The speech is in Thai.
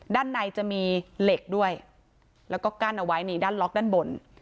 ด้านในจะมีเหล็กด้วยแล้วก็กั้นเอาไว้นี่ด้านล็อกด้านบน